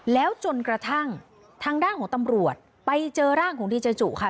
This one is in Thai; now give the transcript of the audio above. แล้วจนกระทั่งทางด้านของตำรวจไปเจอร่างของดีเจจุค่ะ